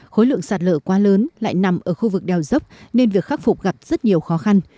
khối lượng sạt lở quá lớn lại nằm ở khu vực đèo dốc nên việc khắc phục gặp rất nhiều khó khăn